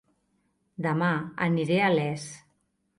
Dema aniré a Les